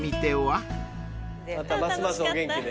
ますますお元気で。